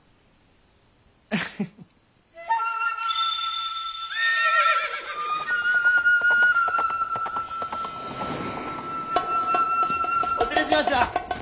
アハハ！お連れしました！